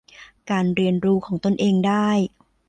การเรียนรู้ของตนเองได้